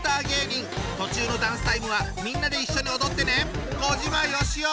途中のダンスタイムはみんなで一緒に踊ってね！